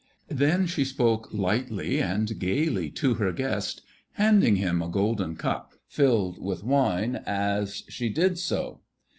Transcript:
Then she spoke lightly and gaily to her guest, handing him a golden cup filled with wine as she did so.